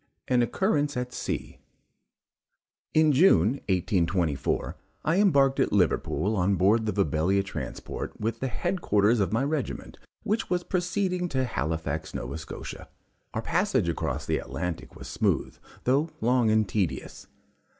AN OCCURRENCE AT SEA. In June, 1824, I embarked at Liverpool on board the Vibelia transport with the head quarters of my regiment, which was proceeding to Halifax, Nova Scotia. Our passage across the Atlantic was smooth, though long and tedious.